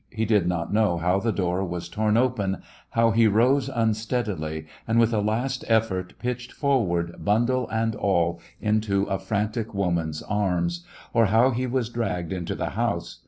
He did not know how the door was torn ox)eny how he rose unsteadily and with a last effort pitched forward, bundle and all, into a frantic woman's arms; or how he was dragged into the house.